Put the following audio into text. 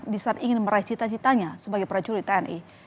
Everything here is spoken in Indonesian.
di saat ingin meraih cita citanya sebagai prajurit tni